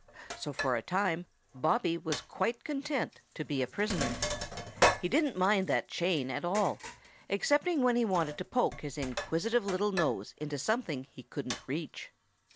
So for a time Bobby was quite content to be a prisoner. He didn't mind that chain at all, excepting when he wanted to poke his inquisitive little nose into something he couldn't reach.